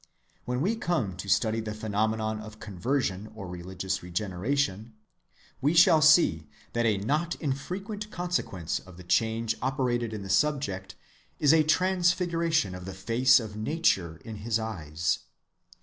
When we come to study the phenomenon of conversion or religious regeneration, we shall see that a not infrequent consequence of the change operated in the subject is a transfiguration of the face of nature in his eyes.